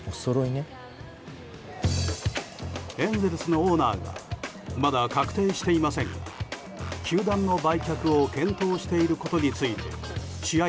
エンゼルスのオーナーがまだ確定していませんが球団の売却を検討していることについて試合